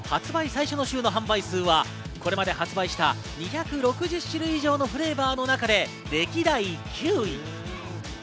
最初の週の販売数は、これまで発売した２６０種類以上のフレーバーの中で歴代９位。